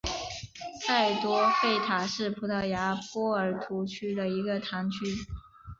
塞多费塔是葡萄牙波尔图区的一个堂区。